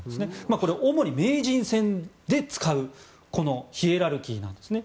これは主に名人戦で使うヒエラルキーなんですね。